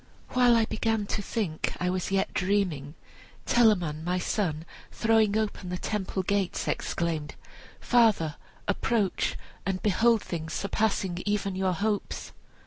While I began to think I was yet dreaming, Telamon, my son, throwing open the temple gates, exclaimed: 'Father, approach, and behold things surpassing even your hopes!'